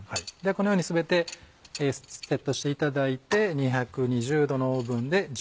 このように全てセットしていただいて。